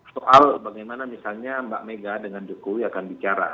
soal bagaimana misalnya mbak mega dengan jokowi akan bicara